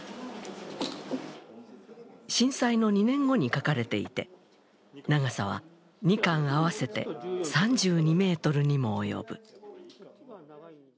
震災の２年後に描かれていて長さは２巻合わせて３２ｍにも及ぶ。